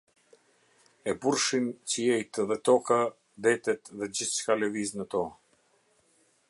E burrshin qiejtë dhe toka, detet dhe gjithçka lëviz në to.